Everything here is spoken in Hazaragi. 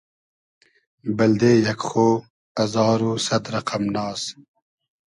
بئلدې یئگ خۉ ازار و سئد رئقئم ناز